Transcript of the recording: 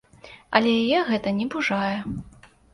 Але яе гэта не пужае.